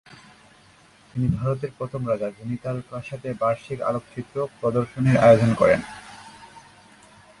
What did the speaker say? তিনি ভারতের প্রথম রাজা যিনি তার প্রাসাদে বার্ষিক আলোকচিত্র প্রদর্শনীর আয়োজন করেন।